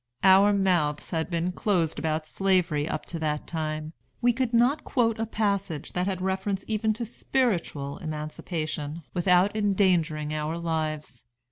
Our mouths had been closed about Slavery up to that time. We could not quote a passage that had reference even to spiritual emancipation, without endangering our lives.